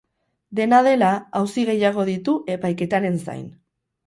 Dena dela, auzi gehiago ditu epaiketaren zain.